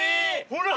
ほら！